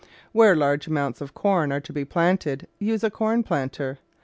Where large amounts of corn are to be planted, use a corn planter.